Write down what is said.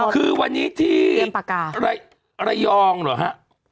คือวันนี้ที่ระยองเหรอฮะ